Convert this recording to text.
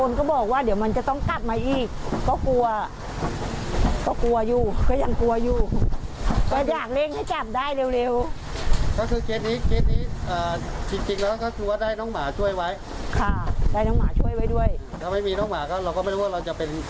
เอ่อก็ได้หมาช่วยด้วยมันก็รีบเราก็กลัว